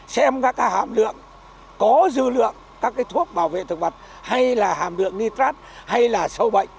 xem các hàm lượng có dư lượng các thuốc bảo vệ thực vật hay là hàm lượng nitrat hay là sâu bệnh